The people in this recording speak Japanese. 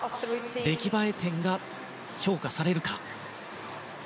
出来栄え点が評価されるか。